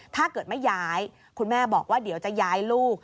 ถ้าเกิดไม่ย้ายคุณแม่บอกว่าเดี๋ยวจะย้ายลูก